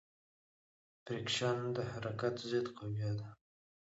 فریکشن د حرکت ضد قوې ده.